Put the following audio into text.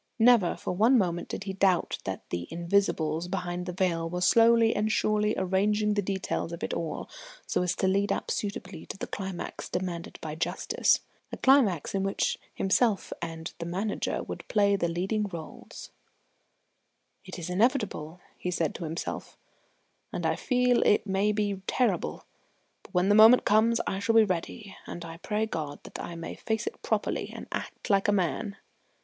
Never for one moment did he doubt that the Invisibles behind the veil were slowly and surely arranging the details of it all so as to lead up suitably to the climax demanded by justice, a climax in which himself and the Manager would play the leading roles. "It is inevitable," he said to himself, "and I feel it may be terrible; but when the moment comes I shall be ready, and I pray God that I may face it properly and act like a man."